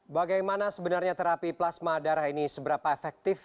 bagaimana sebenarnya terapi plasma darah ini seberapa efektif